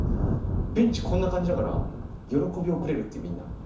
ベンチこんな感じだから喜び遅れるっていうみんな。